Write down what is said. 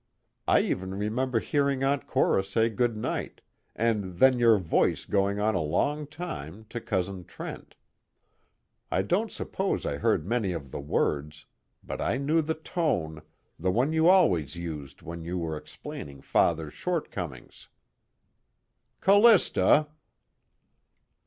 I even remember hearing Aunt Cora say good night, and then your voice going on a long time, to Cousin Trent. I don't suppose I heard many of the words, but I knew the tone, the one you always used when you were explaining Father's shortcomings." "Callista!"